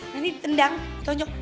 nanti ditendang ditonjok